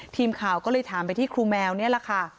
ทีมข่าวก็เลยถามไปที่ครูแมวนี่แหละค่ะ